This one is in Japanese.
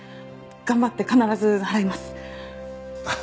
頑張って必ず払います。